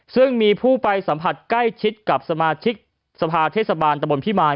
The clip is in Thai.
ซึ่งมีผู้ไปสัมผัสใกล้ชิดกับสมาชิกสภาเทศบาลตะบนพิมาย